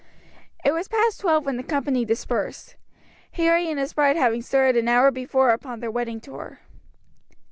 It was past twelve when the company dispersed. Harry and his bride having started an hour before upon their wedding tour.